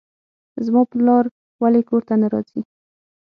زما پلار ولې کور ته نه راځي.